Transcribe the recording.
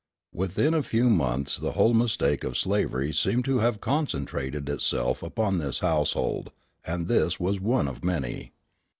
Within a few months the whole mistake of slavery seemed to have concentrated itself upon this household. And this was one of many.